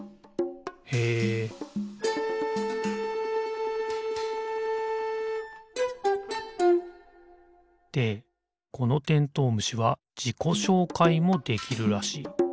へえでこのてんとう虫はじこしょうかいもできるらしい。